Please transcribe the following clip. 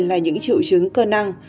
là những triệu chứng cơ năng